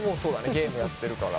ゲームやってるから。